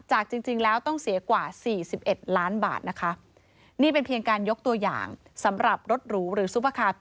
จริงแล้วต้องเสียกว่า๔๑ล้านบาทนะคะ